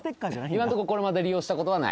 今のとここれまだ利用したことはない？